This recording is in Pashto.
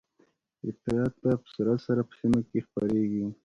افراطيت به په سرعت سره په سیمه کې خپریږي